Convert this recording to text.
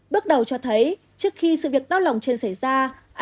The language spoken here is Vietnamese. bước đầu cho thấy trước khi sự việc đau lòng trên xảy ra